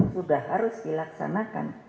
sudah harus dilaksanakan